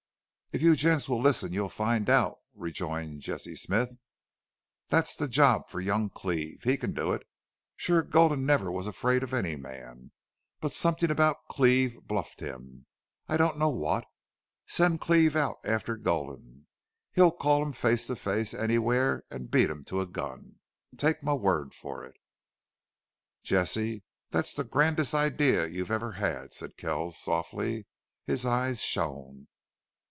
"If you gents will listen you'll find out," rejoined Jesse Smith. "Thet's the job for young Cleve. He can do it. Sure Gulden never was afraid of any man. But somethin' about Cleve bluffed him. I don't know what. Send Cleve out after Gulden. He'll call him face to face, anywhere, an' beat him to a gun!... Take my word for it." "Jesse, that's the grandest idea you ever had," said Kells, softly. His eyes shone.